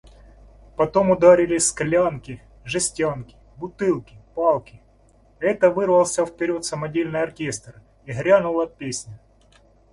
Потом ударили склянки, жестянки, бутылки, палки – это вырвался вперед самодельный оркестр, и грянула песня.